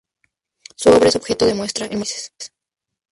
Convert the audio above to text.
Su obra es objeto de muestras en muchos países.